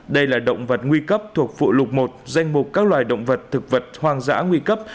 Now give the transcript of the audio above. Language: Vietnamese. đây là động vật nguy cấp thuộc vụ lục một danh mục các loài động vật thực vật hoang dã nguy cấp